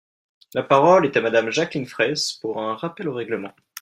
La parole est à Madame Jacqueline Fraysse, pour un rappel au règlement.